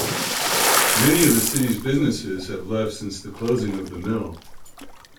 Many of the city's businesses have left since the closing of the mill.